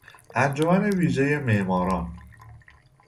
انجمن ویژهی معماران